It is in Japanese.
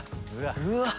うわっ！